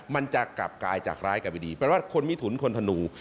มันจะกลับกายจากร้ายกลับไปดีแปลว่าคนมิถุนคนธนู